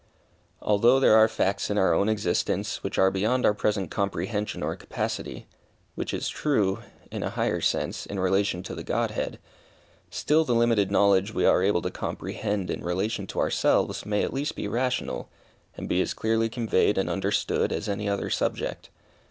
Although there are facts in our own existence, which are beyond our present comprehension or capacity, which is true, in a higher sense, in relation to the Godhead, still the limited knowledge we are able to comprehend in relation to ourselves, may at least be rational, and be as clearly conveyed and understood as any other subject.